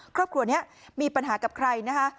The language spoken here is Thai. ครอบครัวนี้มีปัญหากับใครนะคะ